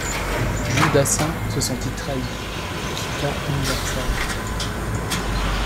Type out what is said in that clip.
Jules Dassin se sentit trahi et quitta Universal.